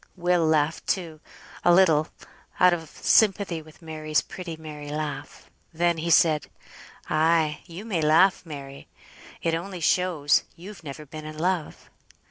Will laughed, too, a little, out of sympathy with Mary's pretty merry laugh. Then he said "Ay, you may laugh, Mary; it only shows you've never been in love."